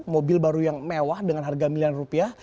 mobil baru yang mewah dengan harga miliar rupiah